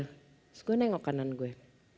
terus gue nengok kanan gue